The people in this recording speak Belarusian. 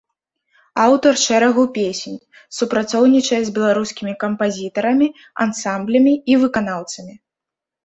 Аўтар шэрагу песень, супрацоўнічае з беларускімі кампазітарамі, ансамблямі і выканаўцамі.